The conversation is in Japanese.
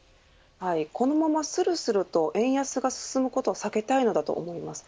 このままするすると円安が進むことは避けたいと思います。